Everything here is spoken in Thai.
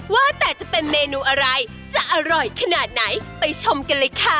ว่าแต่จะเป็นเมนูอะไรจะอร่อยขนาดไหนไปชมกันเลยค่ะ